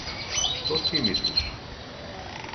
Што ти мислиш?